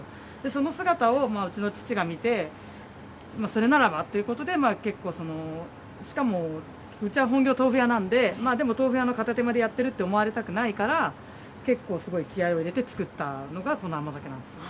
その姿をうちの父が見て、それならばということで、けっこう、しかもうちは本業、豆腐屋なんで、でも豆腐屋の片手間でやってると思われたくないから、けっこうすごい気合いを入れて作ったのが、この甘酒なんですね。